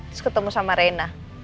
terus ketemu sama rena